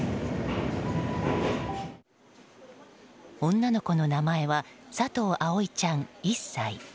女の子の名前は佐藤葵ちゃん、１歳。